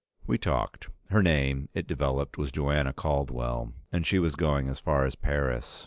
We talked. Her name, it developed, was Joanna Caldwell, and she was going as far as Paris.